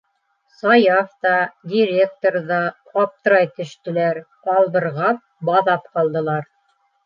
Саяф та, директор ҙа аптырай төштөләр, албырғап, баҙап ҡалдылар.